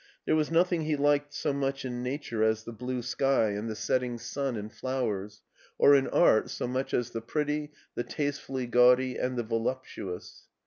There was nothing he liked so much in nature as the blue sky and the setting stm BERLIN 173 and flowers, or in art so much as the pretty, the taste fully gaudy, and the voluptuous.